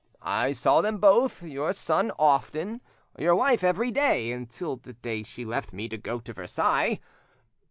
I saw them both, your son often, your wife every day, until the day she left me to go to Versailles.